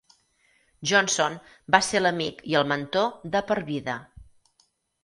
Johnson va ser l'amic i el mentor de per vida.